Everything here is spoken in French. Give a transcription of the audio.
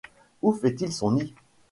Où fait-il son nid ?